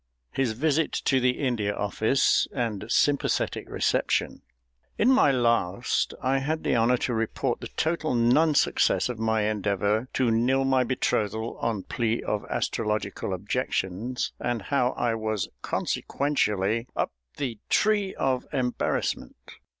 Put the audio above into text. His visit to the India Office and sympathetic reception._ In my last I had the honour to report the total non success of my endeavour to nill my betrothal on plea of astrological objections, and how I was consequentially up the tree of embarrassment.